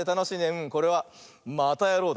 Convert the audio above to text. うんこれは「またやろう！」